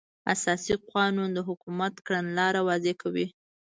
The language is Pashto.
اساسي قانون د حکومت کړنلاره واضح کوي.